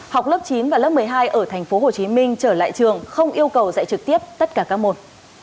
học lớp chín và lớp một mươi hai ở tp hcm trở lại trường không yêu cầu dạy trực tiếp tất cả các môn